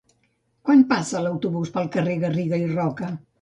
Quan passa l'autobús pel carrer Garriga i Roca?